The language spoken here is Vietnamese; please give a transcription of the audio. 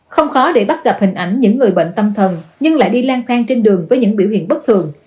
không khó để bắt gặp hình ảnh những người bệnh tâm thần nhưng lại đi lang thang trên đường với những biểu hiện bất thường